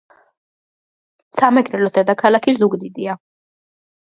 სამეგრელოს დედაქალაქი ზუგდიდია.